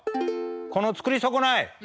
「この作り損ない！」。